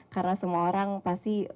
karena semua orang pasti